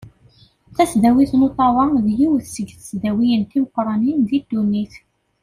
Tasdawit n Uṭawa d yiwet seg tesdawiyin timeqqranin di ddunit.